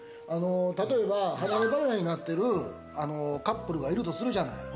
例えば、離れ離れになってるカップルがいるとするじゃない。